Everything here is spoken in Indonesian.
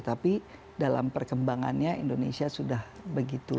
tapi dalam perkembangannya indonesia sudah begitu